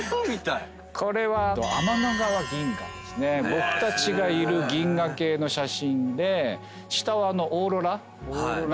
僕たちがいる銀河系の写真で下はオーロラなんですけど。